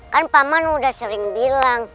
kan paman udah sering bilang